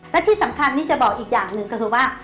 และที่สำคัญนี่จะบอกอีกอย่างหนึ่งก็คือว่า